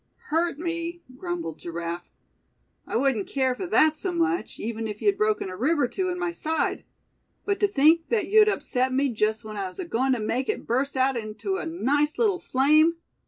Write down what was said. "Hurt me," grumbled Giraffe; "I wouldn't care for that so much, even if you'd broken a rib or two in my side; but to think that you'd upset me just when I was agoin' to make it burst out into a nice little flame!